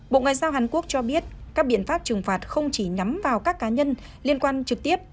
bộ ngoại giao hàn quốc cho biết các biện pháp trừng phạt không chỉ nhắm vào các cá nhân liên quan trực tiếp